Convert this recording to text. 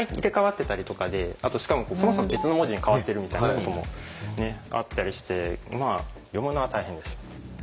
あとしかもそもそも別の文字に変わってるみたいなこともあったりしてまあ読むのは大変です。